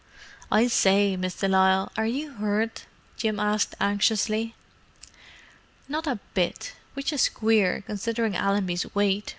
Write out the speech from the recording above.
"I say, Miss de Lisle, are you hurt?" Jim asked anxiously. "Not a bit, which is queer, considering Allenby's weight!"